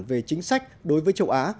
về chính sách đối với châu á